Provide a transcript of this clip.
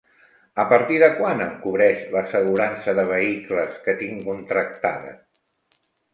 A partir de quan em cobreix l'assegurança de vehicles que tinc contractada?